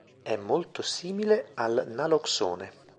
È molto simile al naloxone.